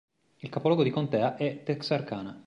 Il capoluogo di contea è Texarkana.